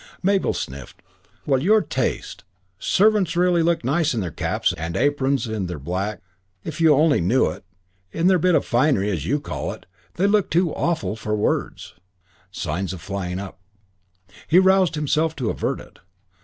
Mabel sniffed. "Well, your taste! Servants look really nice in their caps and aprons and their black, if they only knew it. In their bit of finery, as you call it, they look too awful for words." Signs of flying up. He roused himself to avert it.